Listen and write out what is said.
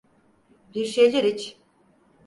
Bir şeyler iç.